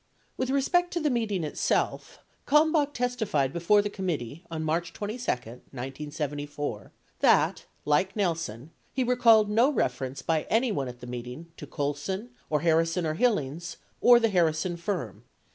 90 With respect to the meeting itself, Kalmbach testified before the committee on March 22, 1974, that, like Nelson, he recalled no reference by anyone at the meeting to Colson or Harrison or Hillings or the Harrison firm.